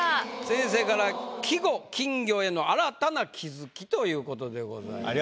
先生から「季語金魚への新たな気づき」ということでございます。